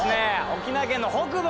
沖縄県の北部。